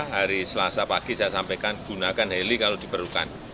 hari selasa pagi saya sampaikan gunakan heli kalau diperlukan